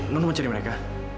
n nun mau cari mereka